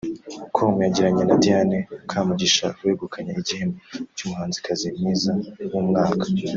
com yagiranye na Diana Kamugisha wegukanye igihembo cy’umuhanzikazi mwiza w’umwaka